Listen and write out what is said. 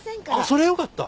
そりゃよかった。